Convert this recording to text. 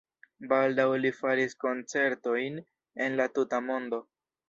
Baldaŭ li faris koncertojn en la tuta mondo.